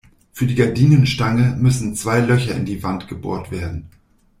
Für die Gardinenstange müssen zwei Löcher in die Wand gebohrt werden.